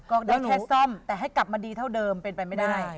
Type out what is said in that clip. ได้แค่ซ่อมแต่ให้กลับมาดีเท่าเดิมเป็นไปไม่ได้